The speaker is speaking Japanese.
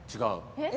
えっ？